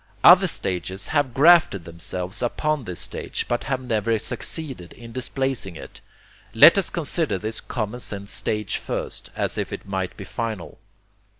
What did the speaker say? Other stages have grafted themselves upon this stage, but have never succeeded in displacing it. Let us consider this common sense stage first, as if it might be final.